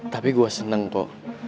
tapi gue seneng kok